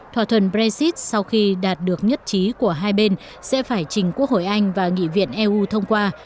thỏa thuận brexit sau khi đạt được nhất trí của hai bên sẽ phải trình quốc hội anh và nghị viện eu thông qua